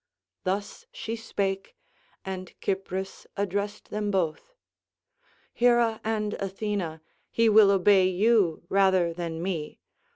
Thus she spake, and Cypris addressed them both: "Hera and Athena, he will obey you rather than me.